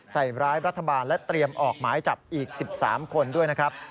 ใส่ร้ายรัฐบาลและเตรียมออกหมายจับอีก๑๓คนด้วยนะครับ